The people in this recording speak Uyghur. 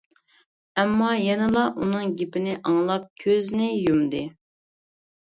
ئەمما يەنىلا ئۇنىڭ گېپىنى ئاڭلاپ كۆزىنى يۇمدى.